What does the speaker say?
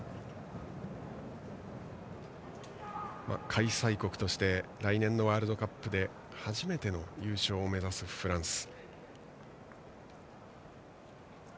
開催国として来年のワールドカップで初めての優勝を目指すフランス。